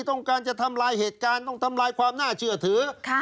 ต้องการจะทำลายเหตุการณ์ต้องทำลายความน่าเชื่อถือ